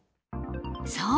そう。